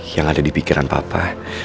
yang ada di pikiran papa